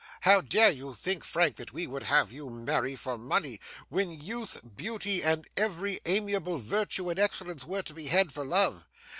How dare you think, Frank, that we would have you marry for money, when youth, beauty, and every amiable virtue and excellence were to be had for love?